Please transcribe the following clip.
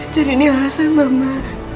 jadi ini alasan mama